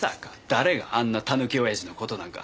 誰があんなたぬきオヤジの事なんか。